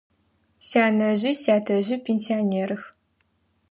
Сянэжъи сятэжъи пенсионерых.